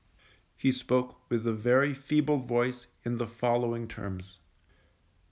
_ he spoke with a very feeble voice in the following terms.